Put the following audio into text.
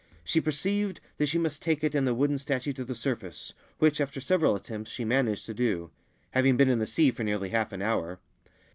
She perceived that she must take it and the wooden statue to the surface, which, after several attempts, she managed to do, — having been in the sea for nearly half an hour.